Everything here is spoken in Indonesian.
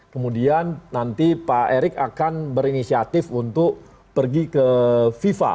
kemudian nanti pak erick akan berinisiatif untuk pergi ke fifa